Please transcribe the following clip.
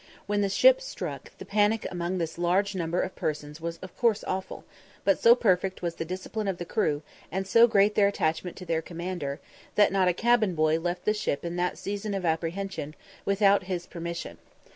When the ship struck, the panic among this large number of persons was of course awful; but so perfect was the discipline of the crew, and so great their attachment to their commander, that not a cabin boy left the ship in that season of apprehension without his permission.